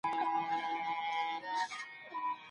که ميرمن بې اجازې له کوره ووځي څه ګناه لري؟